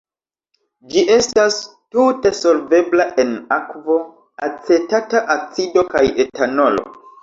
Ĝi estas tute solvebla en akvo, acetata acido kaj etanolo.